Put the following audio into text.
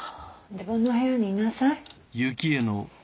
自分の部屋にいなさい。